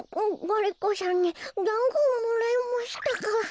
ガリ子さんにだんごをもらいましたから。